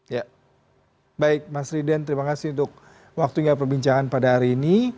ya baik mas riden terima kasih untuk waktunya perbincangan pada hari ini